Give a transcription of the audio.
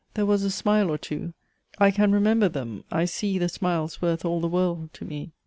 There was a smile or two I can remember them, I see The smiles worth all the world to me.